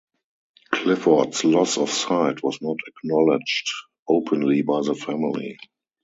Clifford's loss of sight was not acknowledged openly by the family.